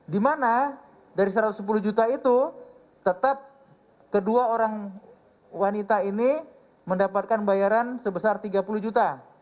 di mana dari satu ratus sepuluh juta itu tetap kedua orang wanita ini mendapatkan bayaran sebesar tiga puluh juta